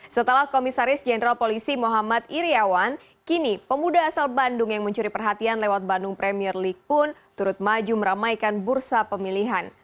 setelah komisaris jenderal polisi muhammad iryawan kini pemuda asal bandung yang mencuri perhatian lewat bandung premier league pun turut maju meramaikan bursa pemilihan